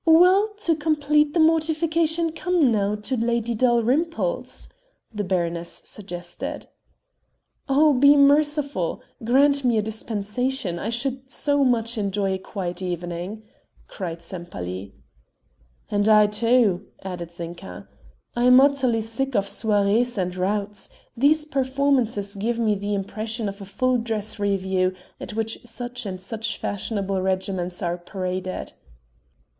"Well, to complete the mortification come now to Lady Dalrymple's," the baroness suggested. "Oh, be merciful! Grant me a dispensation. I should so much enjoy a quiet evening," cried Sempaly. "And I too," added Zinka. "I am utterly sick of soirées and routs. These performances give me the impression of a full dress review, at which such and such fashionable regiments are paraded."